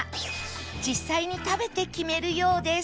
実際に食べて決めるようです